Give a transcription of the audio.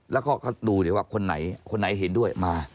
แล้วก็ดูเดี๋ยวว่าคนไหนเห็นด้วยมา